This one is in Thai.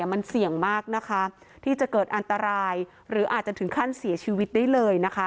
มันเสี่ยงมากนะคะที่จะเกิดอันตรายหรืออาจจะถึงขั้นเสียชีวิตได้เลยนะคะ